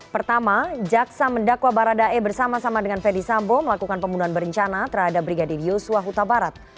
pertama jaksa mendakwa baradae bersama sama dengan ferdisambo melakukan pembunuhan berencana terhadap brigadir yosua huta barat